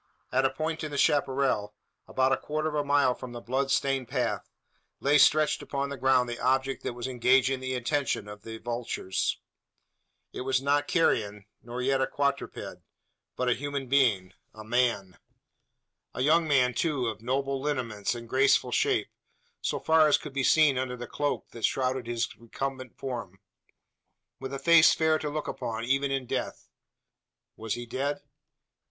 At a point in the chapparal, about a quarter of a mile from the blood stained path, lay stretched upon the ground the object that was engaging the attention of the vultures. It was not carrion, nor yet a quadruped; but a human being a man! A young man, too, of noble lineaments and graceful shape so far as could be seen under the cloak that shrouded his recumbent form with a face fair to look upon, even in death. Was he dead?